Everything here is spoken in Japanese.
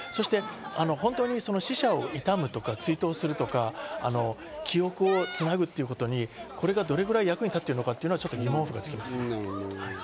本当に死者を悼むとか追悼するとか、記憶をつなぐということに、これからどれだけ役に立っていくのか疑問符がつきますね。